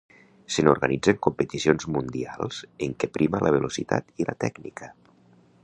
Se n'organitzen competicions mundials en què prima la velocitat i la tècnica.